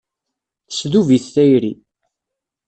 Tesdub-it tayri.